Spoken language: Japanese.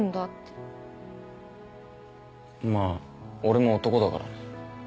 まあ俺も男だから。